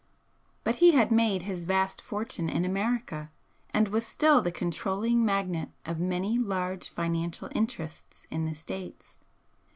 But he had made his vast fortune in America, and was still the controlling magnate of many large financial interests in the States.